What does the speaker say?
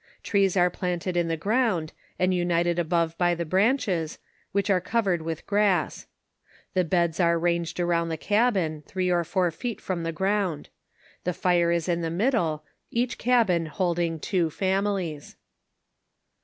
Trees are planted in the ground, and united above by the branches, which are cov ered with grass. The beds are ranged around the cabin, three or four feet from the ground ; the fire is in the middle, each cabin holding two families.